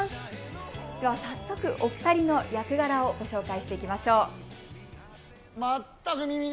早速、お二人の役柄をご紹介していきましょう。